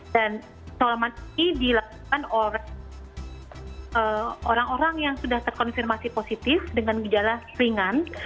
dan isoman ini dilakukan oleh orang orang yang sudah terkonfirmasi positif dengan gejala ringan